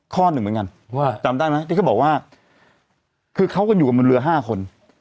ข้อหนึ่งเหมือนกันจำตั้งนะที่เขาบอกว่าคือเขาก็อยู่กับมันเรือห้าคน